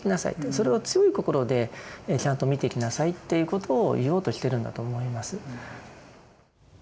それを強い心でちゃんと見ていきなさいっていうことを言おうとしてるんだと思います。